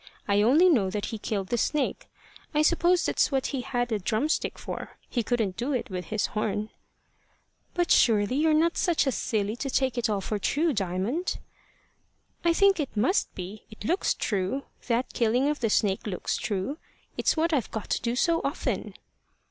I only know that he killed the snake. I suppose that's what he had a drumstick for. He couldn't do it with his horn." "But surely you're not such a silly as to take it all for true, Diamond?" "I think it must be. It looks true. That killing of the snake looks true. It's what I've got to do so often."